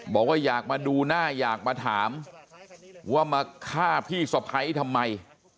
บอกว่าอยากมาดูหน้าอยากมาถามว่ามาฆ่าพี่สะพ้ายทำไม